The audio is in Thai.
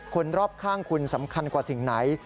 คนรอบข้างคุณสำคัญกว่าสิ่งไหน